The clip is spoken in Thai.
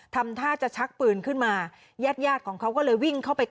ทำท่าจะชักปืนขึ้นมาญาติญาติของเขาก็เลยวิ่งเข้าไป